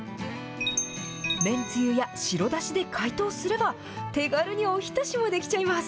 めんつゆや白だしで解凍すれば、手軽におひたしも出来ちゃいます。